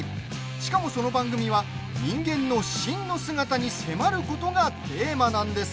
しかもその番組は人間の真の姿に迫ることがテーマなんです。